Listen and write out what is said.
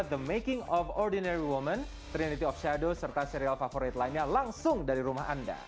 the making of ordinary woman trinity of shadow serta serial favorit lainnya langsung dari rumah anda